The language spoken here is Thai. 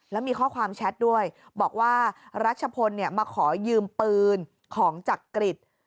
แล้วมีข้อความแชทด้วยบอกว่ารัชพลมาขอยืมปืนของจักริต